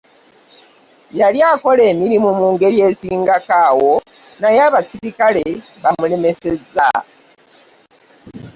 Yali akola emirimu mu ngeri esingako awo naye abaserikale baamulemesezza.